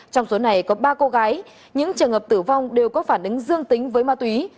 trong số này có ba cô gái những trường hợp tử vong đều có phản ứng dương tính với ma túy